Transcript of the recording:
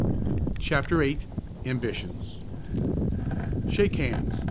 CHAPTER VIII AMBITIONS "Shake hands!"